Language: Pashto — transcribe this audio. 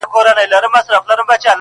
• دمستانو په جامونو -